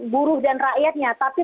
buruh dan rakyatnya tapi